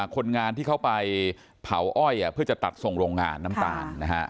คนงานที่เขาไปเผาอ้อยเพื่อจะตัดส่งโรงงานน้ำตาล